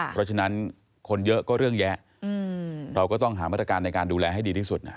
เพราะฉะนั้นคนเยอะก็เรื่องแยะเราก็ต้องหามาตรการในการดูแลให้ดีที่สุดนะ